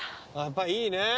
やっぱりいいね